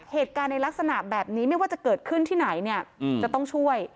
เหตุการณ์ในลักษณะแบบนี้ไม่ว่าจะเกิดขึ้นที่ไหนเนี่ยจะต้องช่วย